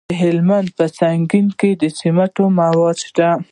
د هلمند په سنګین کې د سمنټو مواد شته.